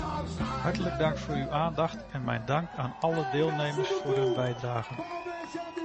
Hartelijk dank voor uw aandacht en mijn dank aan alle deelnemers voor hun bijdragen.